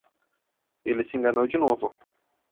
Ele se enganou de novo